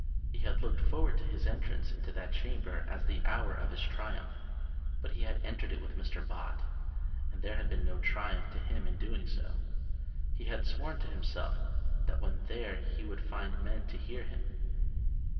He had looked forward to his entrance into that Chamber as the hour of his triumph; but he had entered it with Mr. Bott, and there had been no triumph to him in doing so. He had sworn to himself that when there he would find men to hear him.